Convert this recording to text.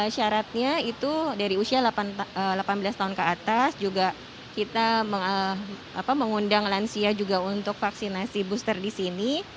syaratnya itu dari usia delapan belas tahun ke atas juga kita mengundang lansia juga untuk vaksinasi booster di sini